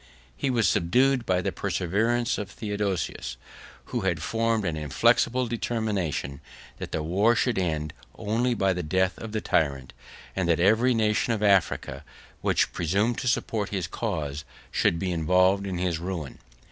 He was subdued by the perseverance of Theodosius; who had formed an inflexible determination, that the war should end only by the death of the tyrant; and that every nation of Africa, which presumed to support his cause, should be involved in his ruin.